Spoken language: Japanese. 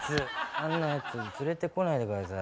あんなやつ連れてこないで下さい。